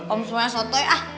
om semuanya sotoy ah